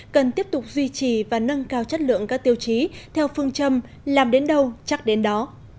cần tiếp tục duy trì và nâng cao chất lượng các tiêu chí theo phương châm làm đến đâu chắc đến đó